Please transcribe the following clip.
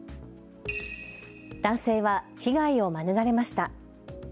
男性は被害を免れました。